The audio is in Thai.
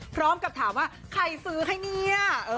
พร้อมกับถามว่าใครซื้อให้เนี่ย